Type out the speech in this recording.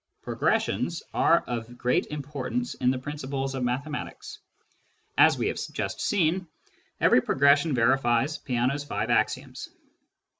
Progressions are of great importance in the princi ples of mathematics. As we have just seen, every progression verifies Peano's five axioms.